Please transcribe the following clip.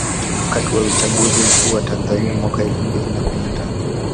Wakati wa uchaguzi mkuu wa Tanzania mwaka elfu mbili na kumi na tano